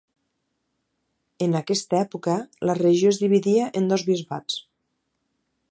En aquesta època la regió es dividia en dos bisbats.